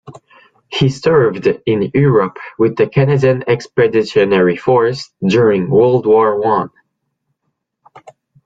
He served in Europe with the Canadian Expeditionary Force during World War One.